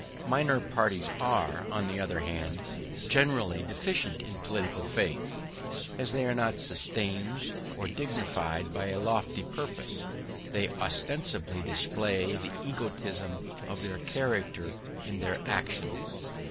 Minor parties are, on the other hand, generally deficient in political faith. As they are not sustained or dignified by a lofty purpose, they ostensibly display the egotism of their character in their actions.